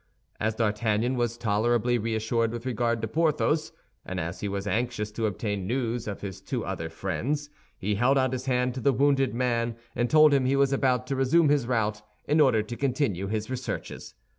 As D'Artagnan was tolerably reassured with regard to Porthos, and as he was anxious to obtain news of his two other friends, he held out his hand to the wounded man, and told him he was about to resume his route in order to continue his researches.